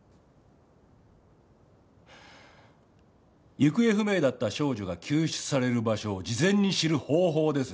行方不明だった少女が救出される場所を事前に知る方法ですよ。